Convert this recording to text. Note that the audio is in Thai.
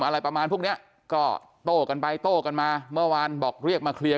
อะไรประมาณพวกเนี้ยก็โต้กันไปโต้กันมาเมื่อวานบอกเรียกมาเคลียร์